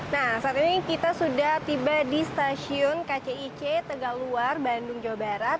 nah saat ini kita sudah tiba di stasiun kcic tegaluar bandung jawa barat